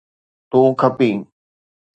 تون کپين